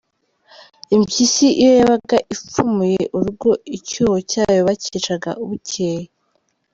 Impyisi iyo yabaga ipfumuye urugo, icyuho cyayo bacyicaga bucyeye.